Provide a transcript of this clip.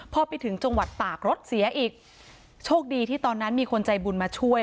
พอไปถึงจังหวัดตากรถเสียอีกโชคดีที่ตอนนั้นมีคนใจบุญมาช่วย